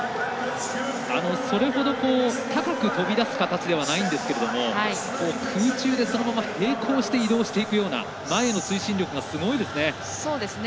それほど高く跳びだす形ではないんですけれども空中でそのまま平行して移動していくような前への推進力がすごいですね。